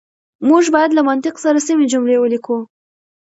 موږ بايد له منطق سره سمې جملې وليکو.